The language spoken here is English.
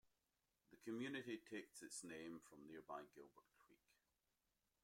The community takes its name from nearby Gilbert Creek.